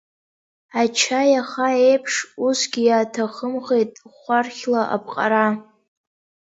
Ача иаха еиԥш, усгьы иаҭахымхеит хәархьла аԥҟара.